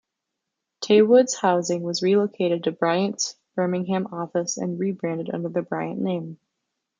Taywood's housing was relocated to Bryant's Birmingham office, and rebranded under the Bryant name.